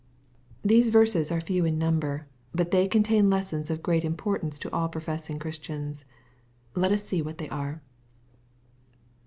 These verses are few in number, but they contain lessons of great importance to all professing Christians. Let us see what they are.